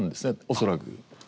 恐らく。